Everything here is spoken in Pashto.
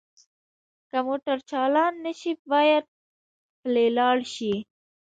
که موټر چالان نه شي باید پلی لاړ شئ